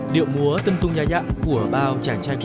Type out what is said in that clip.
điệu múa tưng tung nhai nhạc của bao chàng trai cụ